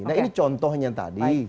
nah ini contohnya tadi